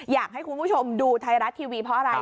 อยากให้คุณผู้ชมดูไทยรัฐทีวีเพราะอะไร